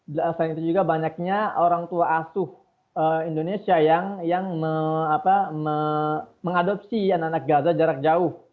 selain itu juga banyaknya orang tua asuh indonesia yang mengadopsi anak anak gaza jarak jauh